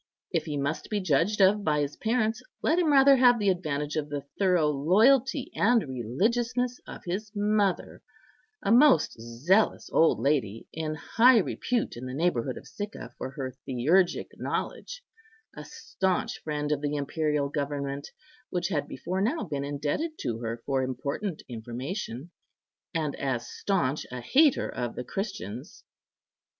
If he must be judged of by his parents, let him rather have the advantage of the thorough loyalty and religiousness of his mother, a most zealous old lady, in high repute in the neighbourhood of Sicca for her theurgic knowledge, a staunch friend of the imperial government, which had before now been indebted to her for important information, and as staunch a hater of the Christians.